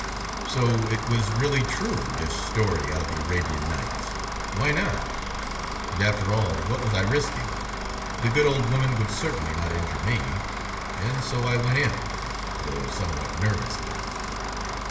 So it was really true, this story out of The Arabian Nights? Why not? And after all, what was I risking? The good woman would certainly not injure me, and so I went in, though somewhat nervously.